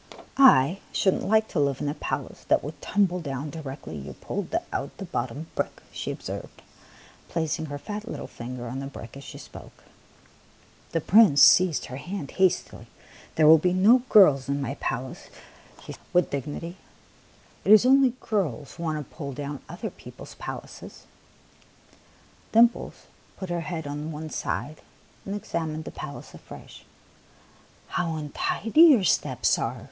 '*/ should n't like to live in a palace that would tumble down directly you pulled out the bottom brick," she observed, placing her fat little finger on the brick as she spoke. The Prince seized her hand hastily. " There will be no girls in my palace," he said with THE PALACE ON THE FLOOR 131 dignity ;" it is only girls who want to pull down other people's palaces." Dimples put her head on one side and ex amined the palace afresh. " How untidy your steps are